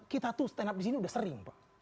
kita tuh stand up disini udah sering pak